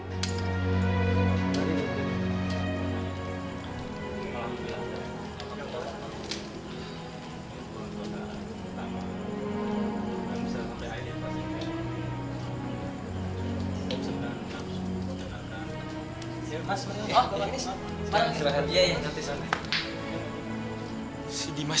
gimana sih dimas